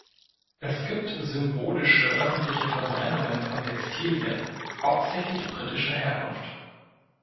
Es gibt symbolische, öffentliche Verbrennungen von Textilien, hauptsächlich britischer Herkunft.